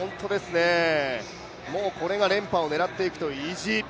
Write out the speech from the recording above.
もうこれが連覇を狙っていくという意地。